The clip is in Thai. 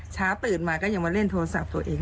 เช้าตื่นมาก็ยังมาเล่นโทรศัพท์ตัวเอง